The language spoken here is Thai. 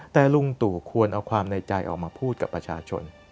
แต่ลุงตู่ควรเอาความในใจออกมาพูดกับประชาชน